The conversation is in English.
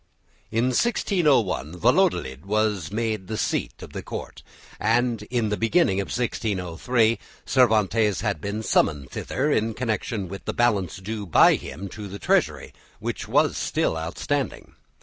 In 1601 Valladolid was made the seat of the Court, and at the beginning of 1603 Cervantes had been summoned thither in connection with the balance due by him to the Treasury, which was still outstanding.